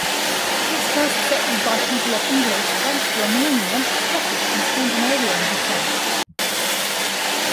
It was first settled by people of English, French, Romanian, Scottish and Scandinavian descent.